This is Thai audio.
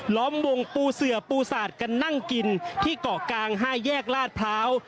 ล้อมวงปูเสือปูสาดกันนั่งกินที่เกาะกลาง๕แยกลาดพร้าว